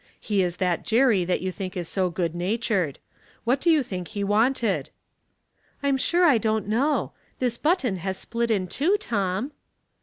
He is that Jerry that you think is so good natured. What do you think he wanted ?"'' I'm sure I don't know. This button has split in two, Tom."